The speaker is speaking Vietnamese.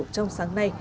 trong sáng nay